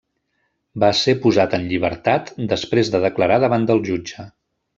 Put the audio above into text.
Va ser posat en llibertat, després de declarar davant el jutge.